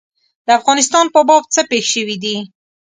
د افغانستان په باب څه پېښ شوي دي.